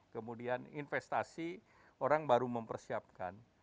kemudian investasi orang baru mempersiapkan